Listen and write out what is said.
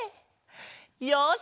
よし！